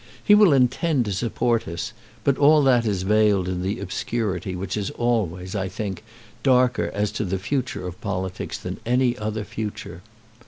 He will intend to support us; but all that is veiled in the obscurity which is always, I think, darker as to the future of politics than any other future.